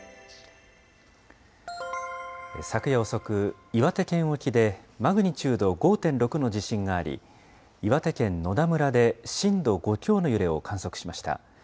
昨夜遅く、岩手県沖でマグニチュード５．６の地震があり、岩手県野田村で震度５強の揺れを観測しました。